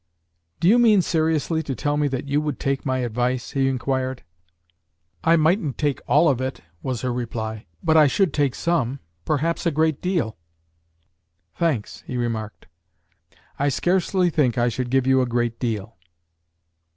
"Do you mean seriously to tell me that you would take my advice?" he inquired. "I mightn't take all of it," was her reply; "but I should take some perhaps a great deal." "Thanks," he remarked. "I scarcely think I should give you a great deal."